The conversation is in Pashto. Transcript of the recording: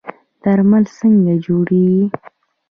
درمل څنګه جوړیږي؟